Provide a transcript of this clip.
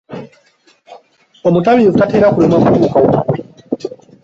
Omutamiivu tatera kulemwa kutuuka wuwe.